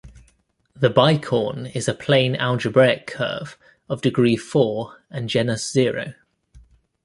The bicorn is a plane algebraic curve of degree four and genus zero.